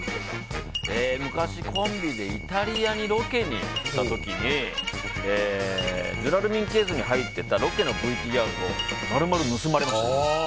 昔、コンビでイタリアにロケに行った時にジュラルミンケースに入ってたロケのＶＴＲを丸々盗まれました。